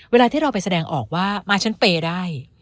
เวลาที่เราไปแสดงออกว่ามาชั้นเปย์ได้